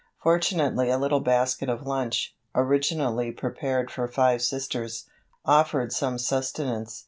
Fortunately a little basket of lunch, originally prepared for five Sisters, offered some sustenance.